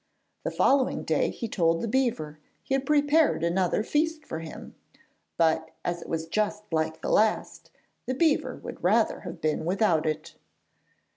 The following day he told the beaver he had prepared another feast for him, but as it was just like the last, the beaver would rather have been without it.